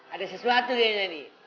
ada sesuatu ya nyariin